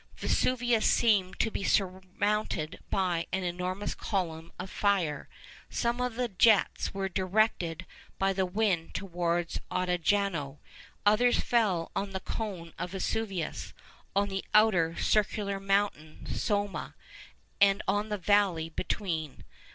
Vesuvius seemed to be surmounted by an enormous column of fire. Some of the jets were directed by the wind towards Ottajano; others fell on the cone of Vesuvius, on the outer circular mountain Somma, and on the valley between.